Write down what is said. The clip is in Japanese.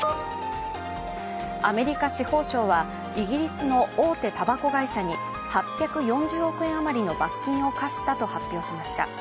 アメリカ司法省はイギリスの大手たばこ会社に８４０億円余りの罰金を科したと発表しました。